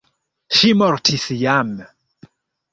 Ŝi mortis jam.